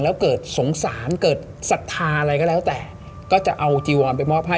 แล้วเกิดสงสารเกิดศรัทธาอะไรก็แล้วแต่ก็จะเอาจีวอนไปมอบให้